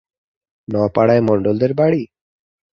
ন-পাড়ায়, মণ্ডলদের বাড়ি?